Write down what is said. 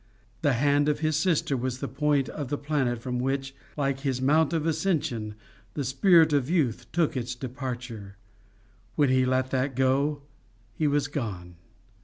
The hand of his sister was the point of the planet from which, like his mount of ascension, the spirit of the youth took its departure; when he let that go, he was gone.